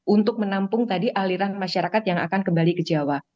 untuk menampung tadi aliran masyarakat yang akan kembali ke jawa